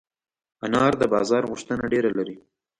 انار د بازار غوښتنه ډېره لري.